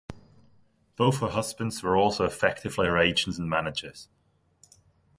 Both her husbands were also effectively her agents and managers.